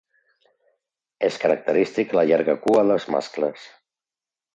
És característica la llarga cua dels mascles.